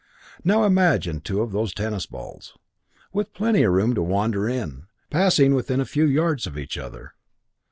Now imagine two of those tennis balls with plenty of room to wander in passing within a few yards of each other.